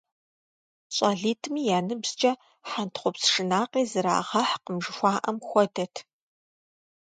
ЩӀалитӀми я ныбжькӀэ хьэнтхъупс шынакъи зэрагъэхькъым жыхуаӀэм хуэдэт.